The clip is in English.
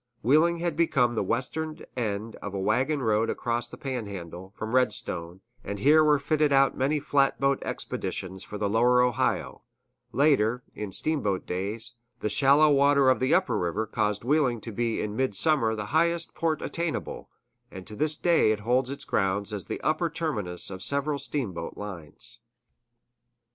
Wheeling had become the western end of a wagon road across the Panhandle, from Redstone, and here were fitted out many flatboat expeditions for the lower Ohio; later, in steamboat days, the shallow water of the upper river caused Wheeling to be in midsummer the highest port attainable; and to this day it holds its ground as the upper terminus of several steamboat lines.